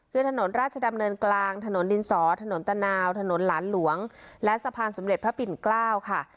คือถนนราชดำเนินกลางถนนดินสอถนนตะนาวถนนหลานหลวงและสะพานสมเด็จพระปิ่นเกล้าค่ะ